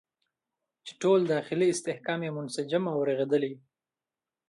چې ټول داخلي استحکام یې منسجم او رغېدلی وي.